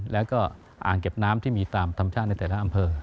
แล้วก็อ่างเก็บน้ำที่มีตามธรรมชาติในแต่ละอำเภอ